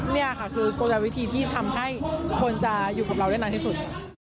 นี่ค่ะคือกลวิธีที่ทำให้คนจะอยู่กับเราได้นานที่สุด